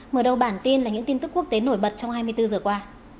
mở đầu bản tin là những tin tức quốc tế nổi bật trong hai mươi bốn giờ qua